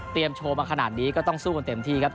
โชว์มาขนาดนี้ก็ต้องสู้กันเต็มที่ครับ